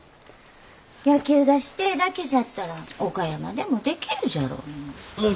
野球がしてえだけじゃったら岡山でもできるじゃろうに。